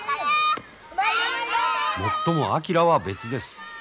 もっとも昭は別です。